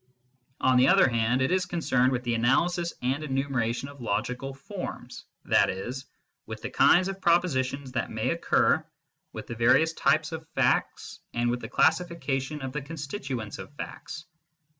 On the other hand, it is concerned with the analysis and enumeration of logical forms, i.e. with the kinds of propositions that may occur, with the various types of facts, and with the classification of the constituents of facts.